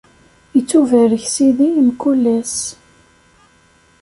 Ittubarek Sidi mkul ass.